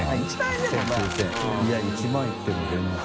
いや１万いっても全然。